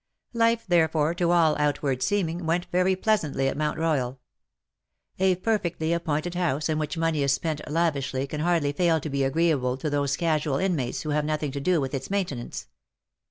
Life, therefore, to all outward seeming, went very pleasantly at Moimt Royal. A perfectly appointed house in which money is spent lavishly can hardly fail to be agreeable to those casual inmates who have nothing to do with its main tenance.